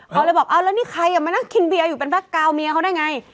เขาเลยบอกเอาแล้วนี่ใครมานั่งกินเบียร์อยู่เป็นแบ็คกาวน์เมียเขาได้ไง